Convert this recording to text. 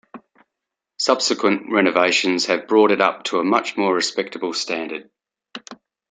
Subsequent renovations have brought it up to a much more respectable standard.